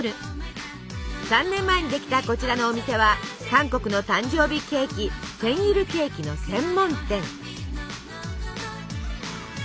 ３年前にできたこちらのお店は韓国の誕生日ケーキセンイルケーキの専門店。